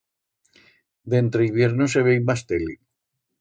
D'entre hibierno se vei mas tele.